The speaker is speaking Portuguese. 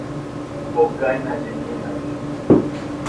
Bocaina de Minas